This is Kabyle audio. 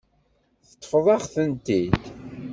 Teṭṭfeḍ-aɣ-tent-id.